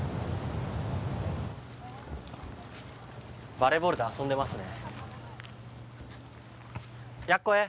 バレーボールで遊んでますね。